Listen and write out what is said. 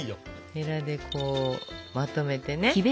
へらでこうまとめてね。